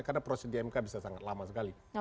karena prosedur imk bisa sangat lama sekali